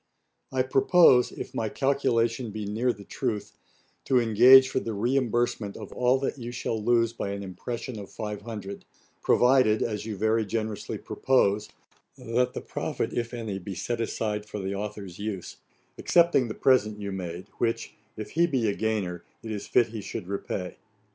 I propose, if my calculation be near the truth, to engage for the reimbursement of all that you shall lose by an impression of 500; provided, as you very generously propose, that the profit, if any, be set aside for the authour's use, excepting the present you made, which, if he be a gainer, it is fit he should repay.